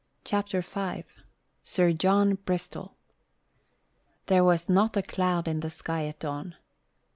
CHAPTER V SIR JOHN BRISTOL There was not a cloud in the sky at dawn.